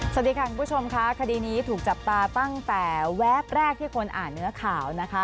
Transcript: สวัสดีค่ะคุณผู้ชมค่ะคดีนี้ถูกจับตาตั้งแต่แวบแรกที่คนอ่านเนื้อข่าวนะคะ